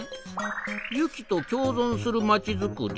「雪と共存するまちづくり」？